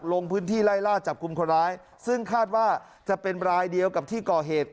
ลงพื้นที่ไล่ล่าจับกลุ่มคนร้ายซึ่งคาดว่าจะเป็นรายเดียวกับที่ก่อเหตุ